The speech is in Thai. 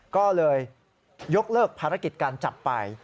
ก็เลยยกเลิกภารกิจการจับไป